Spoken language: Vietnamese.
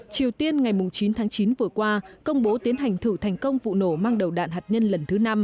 triều tiên ngày chín tháng chín vừa qua công bố tiến hành thử thành công vụ nổ mang đầu đạn hạt nhân lần thứ năm